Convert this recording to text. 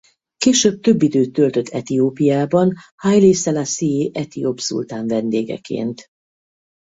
Később több időt töltött Etiópiában Hailé Szelasszié etióp szultán vendégeként.